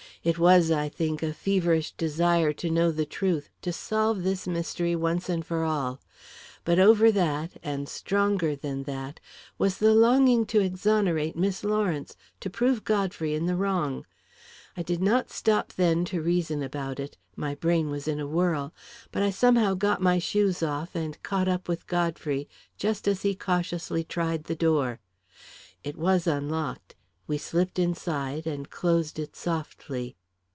It was, I think, a feverish desire to know the truth, to solve this mystery once and for all; but over that, and stronger than that, was the longing to exonerate Miss Lawrence to prove Godfrey in the wrong. I did not stop then to reason about it; my brain was in a whirl; but I somehow got my shoes off, and caught up with Godfrey just as he cautiously tried the door. It was unlocked; we slipped inside and closed it softly.